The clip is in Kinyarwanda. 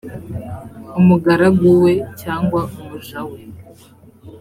umugaragu we cyangwa umuja we